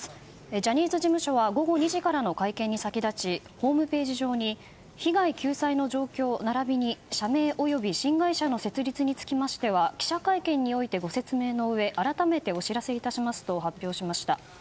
ジャニーズ事務所は午後２時からの会見に先立ちホームページ上に被害救済の状況並びに社名及び新会社の設立につきましては記者会見においてご説明のうえ改めてお知らせいたしますと発表しました。